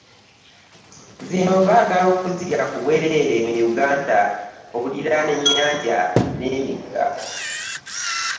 Zino baagala okuzirya ku bwereere mu Uganda okuliraana ennyanja n'emigga.